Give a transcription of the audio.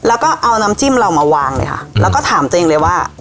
แล้วก็เอาน้ำจิ้มเรามาวางเลยค่ะแล้วก็ถามตัวเองเลยว่า